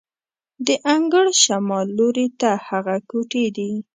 د انګړ شمال لوري ته هغه کوټې دي.